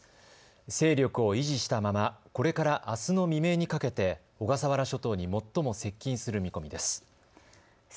勢力を維持したままこれからあすの未明にかけて小笠原諸島に最も接近する見込みです。